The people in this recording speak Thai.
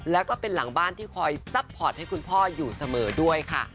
แล้วก็เป็นหลังบ้านที่คอยซัพพอร์ตให้คุณพ่ออยู่เสมอด้วยค่ะ